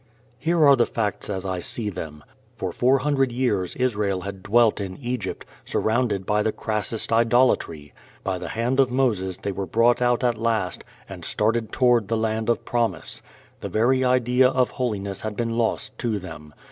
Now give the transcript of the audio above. Here are the facts as I see them. For four hundred years Israel had dwelt in Egypt, surrounded by the crassest idolatry. By the hand of Moses they were brought out at last and started toward the land of promise. The very idea of holiness had been lost to them.